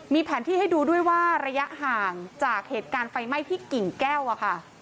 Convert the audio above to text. มีแผนที่ให้ดูด้วยว่าระยะห่างจากเหตุการณ์ไฟไหม้ที่กิ่งแก้วอะค่ะ